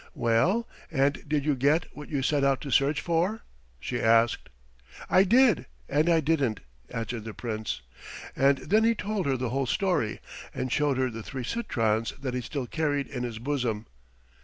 "Well, and did you get what you set out to search for?" she asked. "I did and I didn't," answered the Prince; and then he told her the whole story and showed her the three citrons that he still carried in his bosom.